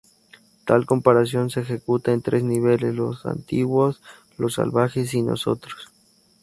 Tal comparación se ejecuta en tres niveles: los "antiguo"s, los "salvaje"s y "nosotros".